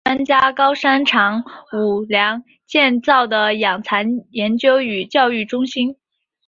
高山社迹是日本著名养蚕专家高山长五郎建造的养蚕研究与教育中心。